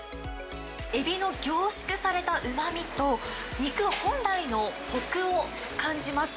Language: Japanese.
エビの凝縮されたうまみと、肉本来のこくを感じます。